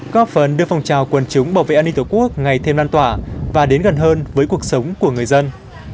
góp phần đưa phòng trào quân chúng bảo vệ an ninh tổ quốc ngày thêm lan tỏa và đến gần hơn với cuộc sống của người dân